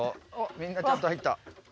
みんなちゃんと入った。